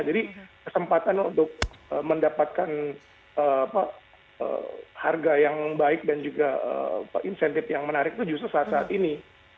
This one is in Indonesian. jadi kesempatan untuk mendapatkan harga yang baik dan juga insentif yang menarik itu justru saat saat ini